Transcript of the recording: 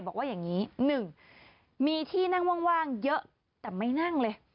บอกว่าอย่างนี้๑มีที่นั่งว่างเยอะแต่ไม่นั่งเลย